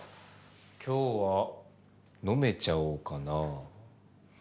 今日は飲めちゃおうかなあ。